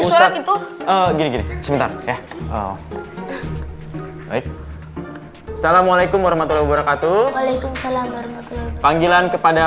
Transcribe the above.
salamualaikum warahmatullah wabarakatuh waalaikumsalam warahmatullah panggilan kepada